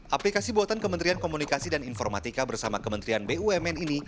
aplikasi buatan kementerian komunikasi dan informatika bersama kementerian bumn ini